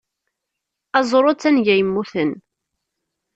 Aẓru d tanga yemmuten.